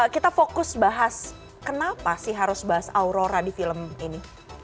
kita fokus bahas kenapa sih harus bahas aurora di film ini